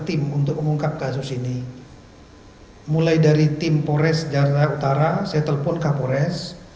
tim untuk mengungkap kasus ini mulai dari tim pores jakarta utara saya telepon kapolres